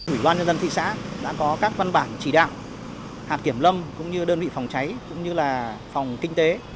ủy ban nhân dân thị xã đã có các văn bản chỉ đạo hạt kiểm lâm cũng như đơn vị phòng cháy cũng như là phòng kinh tế